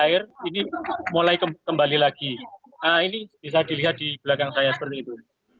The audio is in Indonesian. air ini mulai kembali lagi ini bisa dilihat di belakang saya seperti itu